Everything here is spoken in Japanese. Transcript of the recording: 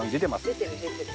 出てる出てる。